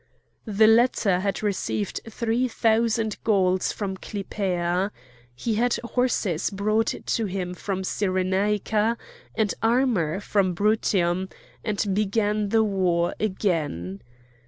The latter had received three thousand Gauls from Clypea. He had horses brought to him from Cyrenaica, and armour from Brutium, and began the war again.